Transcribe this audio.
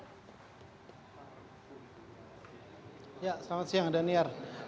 selamat siang daniel